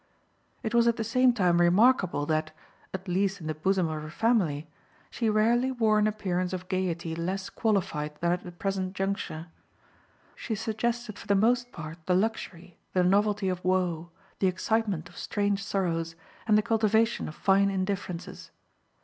It was at the same time remarkable that at least in the bosom of her family she rarely wore an appearance of gaiety less qualified than at the present juncture; she suggested for the most part the luxury, the novelty of woe, the excitement of strange sorrows and the cultivation of fine indifferences.